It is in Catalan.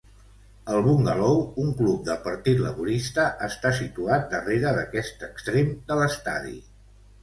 El Bungalow, un club del Partit Laborista, està situat darrere d'aquest extrem de l'estadi.